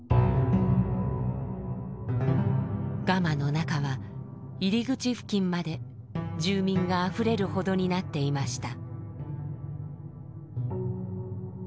ガマの中は入り口付近まで住民があふれるほどになっていました。